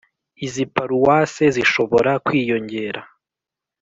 Izi Paruwase zishobora kwiyongera